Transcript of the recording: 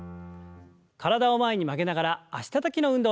体を前に曲げながら脚たたきの運動です。